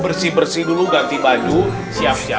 ini jangan aku nanti ngantuk nih